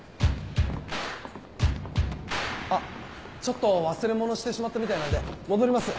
あっちょっと忘れ物してしまったみたいなんで戻ります。